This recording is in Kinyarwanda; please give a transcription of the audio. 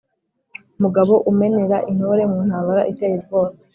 mugabo umenera intore mu ntambara iteye ubwoba,